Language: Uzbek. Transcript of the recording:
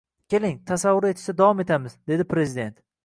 Keling, tasavvur etishda davom etamiz – dedi Prezident.